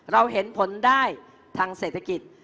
เราเห็นผลได้ทางเศรษฐกิจ